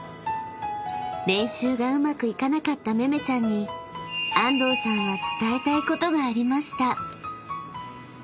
［練習がうまくいかなかっためめちゃんに安藤さんは伝えたいことがありました］